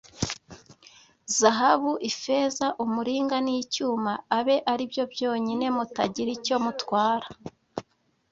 Zahabu ifeza umuringa n’icyuma abe ari byo byonyine mutagira icyo mutwara